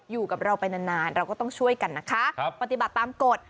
อยู่กับเราไปนานเราก็ต้องช่วยกันนะคะปฏิบัติตามกฎ